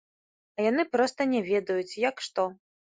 А яны проста не ведаюць, як што.